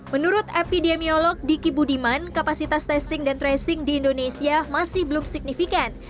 menurut epidemiolog diki budiman kapasitas testing dan tracing di indonesia masih belum signifikan